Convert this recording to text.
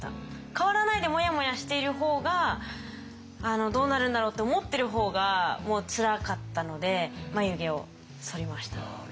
変わらないでモヤモヤしている方がどうなるんだろうって思ってる方がもうつらかったので眉毛をそりました。